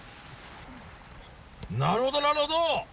なるほどなるほど！